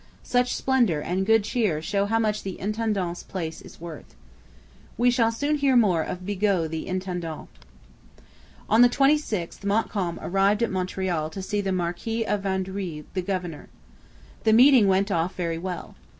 Such splendour and good cheer show how much the intendant's place is worth.' We shall soon hear more of Bigot the intendant. On the 26th Montcalm arrived at Montreal to see the Marquis of Vaudreuil the governor. The meeting went off very well.